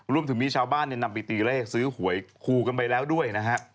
รวมถึงมีชาวบ้านนำไปตีเลขซื้อหวยคู่กันไปแล้วด้วยนะฮะ